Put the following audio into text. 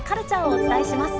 お伝えします。